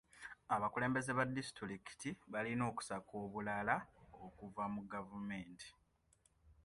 Abakulembeze ba disitulikiti balina okusaka obulala okuva mu gavumenti.